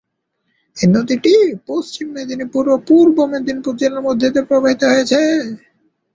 এই নদীটি পশ্চিম মেদিনীপুর ও পূর্ব মেদিনীপুর জেলার মধ্য দিয়ে প্রবাহিত হয়েছে।